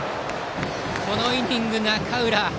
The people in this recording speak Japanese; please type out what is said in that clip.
このイニング、中浦